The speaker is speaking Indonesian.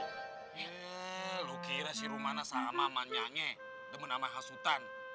nge lu kira si rumana sama amannya nge demen sama hasutan